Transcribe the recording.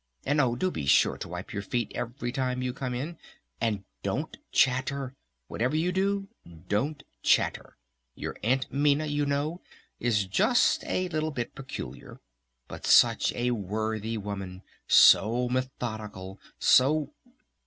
And oh do be sure to wipe your feet every time you come in! And don't chatter! Whatever you do, don't chatter! Your Aunt Minna, you know, is just a little bit peculiar! But such a worthy woman! So methodical! So...."